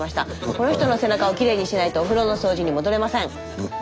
この人の背中をきれいにしないとお風呂の掃除に戻れません。